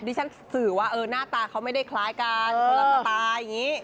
ที่ฉันสื่อว่าหน้าตาเขาไม่ได้คล้ายกันคนละสไตล์อย่างนี้